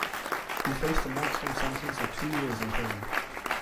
He faced a maximum sentence of two years in prison.